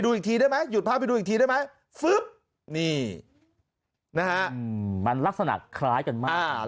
ดูยอดเข้าไปดูอีกทีได้ไหมนี่มันลักษณะคล้ายกันแล้ว